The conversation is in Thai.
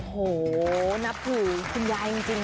โหนับถือคุณยายจริง